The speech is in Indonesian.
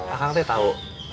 ah kang teh tau